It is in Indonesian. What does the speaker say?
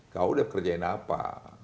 kau udah kerjain apa